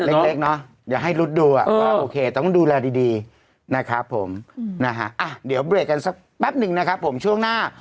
เล็กเนอะมันต้องดูและดีนะครับผมอ่ะเดี๋ยวเบลกกันซักแป๊บนึงนะครับผมช่วงหน้า